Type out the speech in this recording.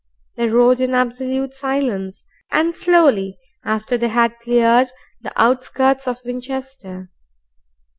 They rode in absolute silence, and slowly after they had cleared the outskirts of Winchester.